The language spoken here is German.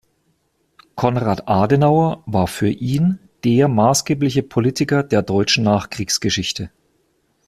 Konrad Adenauer war für ihn der maßgebliche Politiker der deutschen Nachkriegsgeschichte.